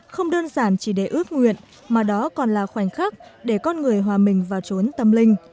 không đơn giản chỉ để ước nguyện mà đó còn là khoảnh khắc để con người hòa mình vào trốn tâm linh